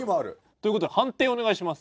という事で判定をお願いします。